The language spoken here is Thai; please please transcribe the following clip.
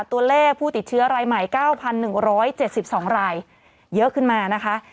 ตัวเลขผู้ติดเชื้อรายใหม่๙๑๗๒รายเยอะขึ้นมานะคะ